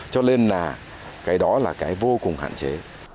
cho nên là cái đó là cái vô cùng hạn chế